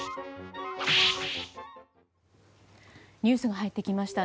ニュースが入ってきました。